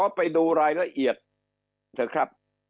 ไปดูรายละเอียดเถอะครับ